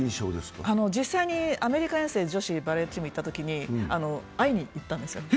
実際にアメリカ遠征に女子バレーチームで行ったときに会いに行ったんですよ。